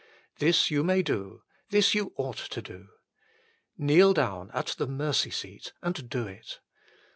This you may do ; this you ought to do. Kneel down at the mercy seat and do it.